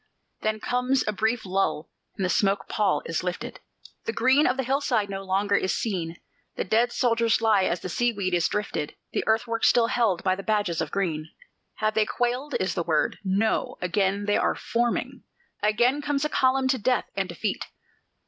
Then comes a brief lull, and the smoke pall is lifted, The green of the hillside no longer is seen; The dead soldiers lie as the sea weed is drifted, The earthworks still held by the badges of green. Have they quailed? is the word. No: again they are forming Again comes a column to death and defeat!